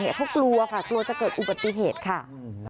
เขากลัวค่ะกลัวจะเกิดอุบัติเหตุค่ะ